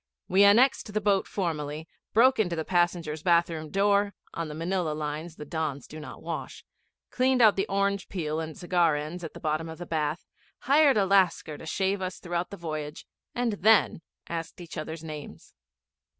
We annexed the boat formally, broke open the passengers' bath room door on the Manilla lines the Dons do not wash cleaned out the orange peel and cigar ends at the bottom of the bath, hired a Lascar to shave us throughout the voyage, and then asked each other's names.